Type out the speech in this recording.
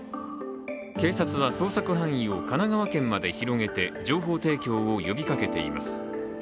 警察は捜索範囲を神奈川県まで広げて情報提供を呼びかけています。